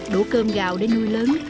đủ cơm gạo để nuôi lớn